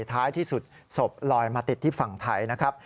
ท้ายที่สุดศพลอยมาติดที่ฝั่งไทยนะครับ